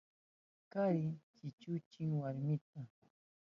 Kari chichuchin warminta.